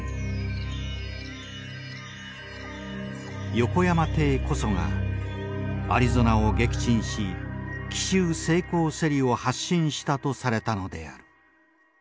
横山艇こそがアリゾナを撃沈し「奇襲成功せり」を発信したとされたのである。